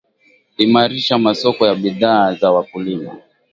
imarisha masoko ya bidhaa za wakulima